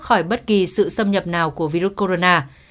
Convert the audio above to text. khỏi bất kỳ sự xâm nhập nào của virus corona